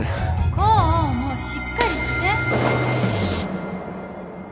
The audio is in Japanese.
功もうしっかりして